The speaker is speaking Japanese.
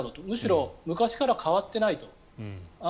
むしろ昔から変わっていないと。